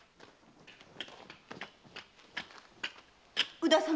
宇田様。